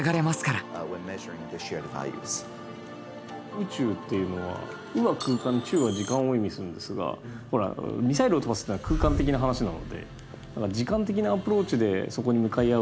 宇宙っていうのは「宇」は空間「宙」は時間を意味するんですがほらミサイルを飛ばすっていうのは空間的な話なのでだから時間的なアプローチでそこに向かい合う。